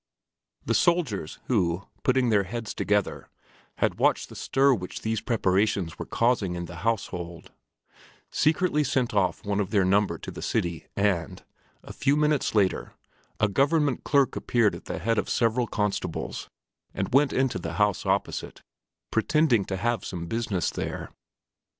The soldiers, who, putting their heads together, had watched the stir which these preparations were causing in the household, secretly sent off one of their number to the city and, a few minutes later, a government clerk appeared at the head of several constables and went into the house opposite, pretending to have some business there.